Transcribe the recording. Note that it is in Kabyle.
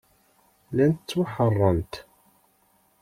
Llant ttwaḥeṛṛent.